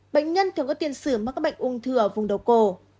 bệnh nhân thường có tiền sử mắc các bệnh ung thư ở vùng đầu cổ